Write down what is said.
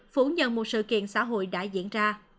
phủ nhận một sự kiện xã hội đã diễn ra